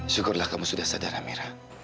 syukurlah kamu sudah sadar amira